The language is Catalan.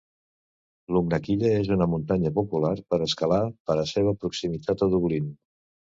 Lugnaquilla és una muntanya popular per escalar per a seva proximitat a Dublin.